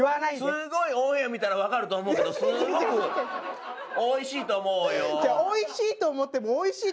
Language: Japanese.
すごいオンエア見たらわかると思うけどすごくおいしいと思うよ。